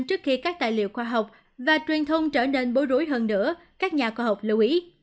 trước khi các tài liệu khoa học và truyền thông trở nên bối rối hơn nữa các nhà khoa học lưu ý